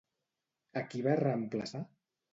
A qui va reemplaçar?